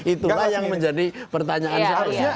itulah yang menjadi pertanyaan seharusnya